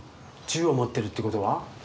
銃を持ってるってことは？